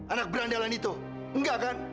anak berandalan itu enggak kan